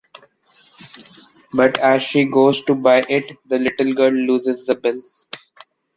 But as she goes to buy it, the little girl looses the bill.